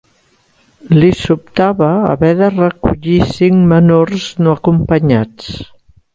Li sobtava haver de recollir cinc menors no acompanyats.